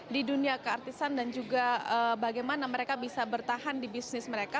di dunia keartisan dan juga bagaimana mereka bisa bertahan di bisnis mereka